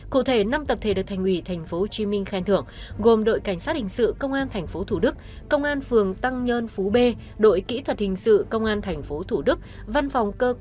cụ thể năm tập thể được thành ủy tp hcm khen thưởng gồm đội cảnh sát hình sự công an tp thủ đức công an phường tăng nhơn phú b đội kỹ thuật hình sự công an tp thủ đức văn phòng cơ quan